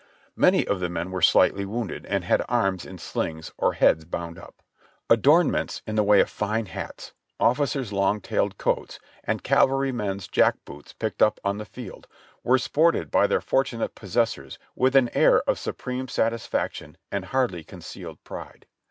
Many of the men were slightly wounded, and had arms in slings or heads bound up. Adorn ments in the way of fine hats, officers' long tailed coats and caval rymen's jack boots picked up on the field, were sported by their fortunate possessors with an air of supreme satisfaction and hardly concealed pride.